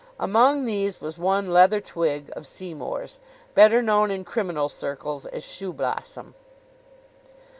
Among these was one Leather Twigg, of Seymour's, better known in criminal circles as Shoeblossom.